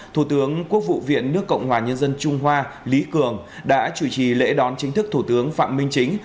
thủ tướng quốc vụ viện nước cộng hòa nhân dân trung hoa lý cường đã chủ trì lễ đón chính thức thủ tướng phạm minh chính